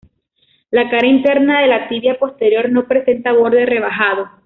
La cara interna de la tibia posterior no presenta borde rebajado.